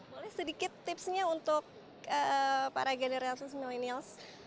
boleh sedikit tips nya untuk para generasi milenial